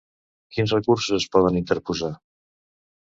Quins recursos es poden interposar?